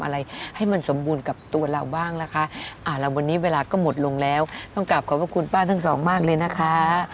แล้ววันนี้เวลาก็หมดลงแล้วต้องกลับขอบคุณป้าทั้งสองมากเลยนะคะ